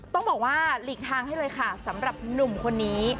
ต้องบอกว่าหลีกทางให้เลยค่ะสำหรับหนุ่มคนนี้